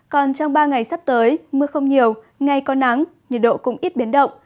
còn trong ba ngày sắp tới mưa không nhiều ngày có nắng nhiệt độ cũng ít biến động